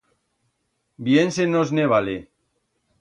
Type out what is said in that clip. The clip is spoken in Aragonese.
Bien se nos ne vale.